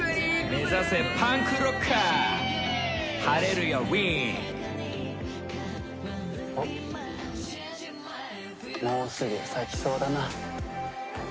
「目指せパンクロッカー」「晴家ウィン」おっもうすぐ咲きそうだな。